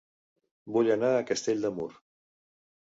Vull anar a Castell de Mur